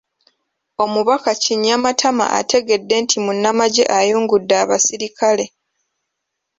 Omubaka Kinyamatama ategedde nti Munnamagye ayungudde abaserikale